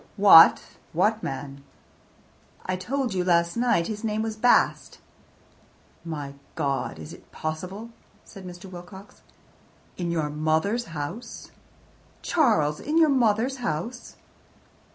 "What what man?" "I told you last night. His name was Bast." "My God, is it possible?" said Mr. Wilcox. "In your mother's house! Charles, in your mother's house!"